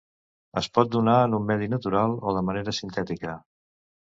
Es pot donar en un medi natural o de manera sintètica.